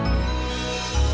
awas pelan pelan ya